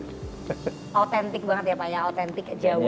autentik banget ya pak ya